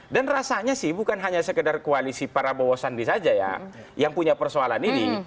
dan rasanya sih bukan hanya sekedar koalisi para bawos sandi saja ya yang punya persoalan ini